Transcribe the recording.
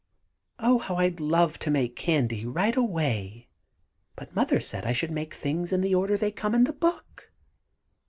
Oh, how I'd love to make candy right away, but Mother said I must make the things in the order they come in the book.